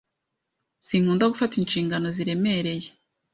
Sinkunda gufata inshingano ziremereye.